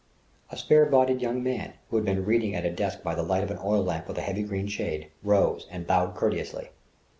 A spare bodied young man, who had been reading at a desk by the light of an oil lamp with a heavy green shade, rose and bowed courteously.